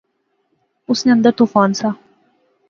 اس نے اندر طوفان سا